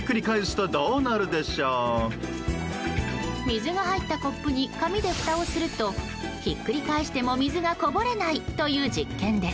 水が入ったコップに紙でふたをするとひっくり返しても水がこぼれないという実験です。